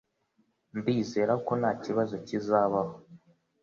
Ndizera ko ntakibazo kizabaho.